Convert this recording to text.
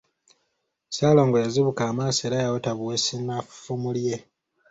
Ssalongo yazibuka amaaso era yaweta buwesi na ffumu lye.